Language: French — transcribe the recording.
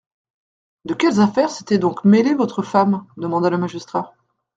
De quelles affaires s'était donc mêlée votre femme ? demanda le magistrat.